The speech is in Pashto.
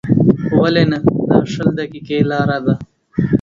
ولې نه، دا شل دقیقې لاره ده.